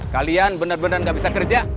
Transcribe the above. kalian bener bener gak bisa kerja